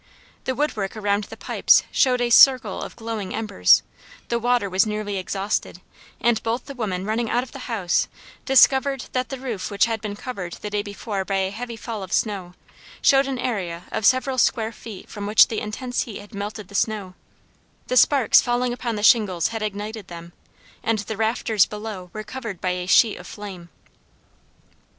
The wood work around the pipes showed a circle of glowing embers, the water was nearly exhausted and both the women running out of the house discovered that the roof which had been covered the day before by a heavy fall of snow, showed an area of several square feet from which the intense heat had melted the snow; the sparks falling upon the shingles had ignited them, and the rafters below were covered by a sheet of flame.